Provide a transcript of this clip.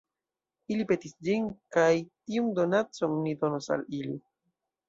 Ili petis ĝin kaj tiun donacon ni donos al ili.